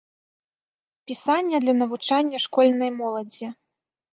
Пісання для навучання школьнай моладзі.